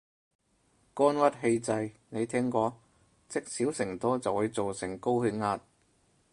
肝鬱氣滯，你聽過？積少成多就會做成高血壓